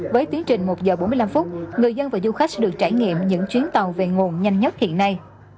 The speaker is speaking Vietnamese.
với tiến trình một giờ bốn mươi năm phút người dân và du khách được trải nghiệm những chuyến tàu về nguồn nhanh nhất hiện nay